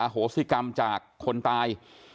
โหสิกรรมจากคนตาย